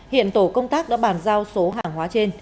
hiện tổ công tác đã bàn giao số hàng hóa trên